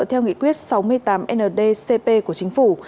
theo nghị quyết sáu mươi tám ndcp của chính phủ